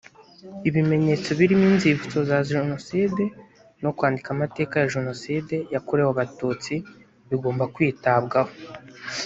ibimenyetso birimo inzibutso za jenoside no kwandika amateka ya jenoside yakorewe abatutsi bigomba kwitabwaho